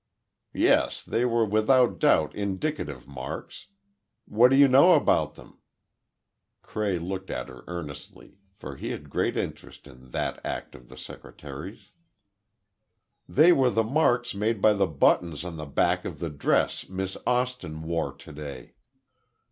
"Yes, they were without doubt indicative marks. What do you know about them?" Cray looked at her earnestly, for he had great interest in that act of the secretary's. "They were the marks made by the buttons on the back of the dress Miss Austin wore today."